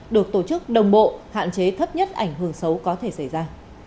được tổ chức đồng bộ hạn chế thấp nhất ảnh hưởng xấu có thể xảy ra